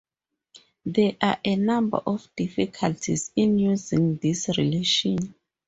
There are a number of difficulties in using this relation.